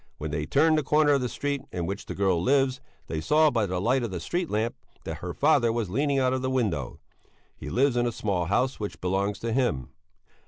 When they turned the corner of the street in which the girl lives, they saw by the light of the street lamp that her father was leaning out of the window he lives in a small house which belongs to him.